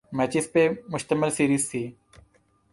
matches پہ مشتمل series تھی